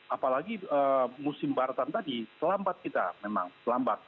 apalagi musim baratan tadi terlambat kita memang terlambat